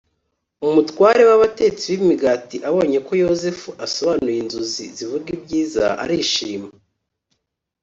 umutware w’abatetsi b’imigati abonye ko yozefu asobanuye inzozi zivuga ibyiza, arishima.